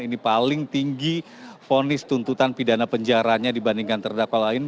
ini paling tinggi fonis tuntutan pidana penjaranya dibandingkan terdakwa lain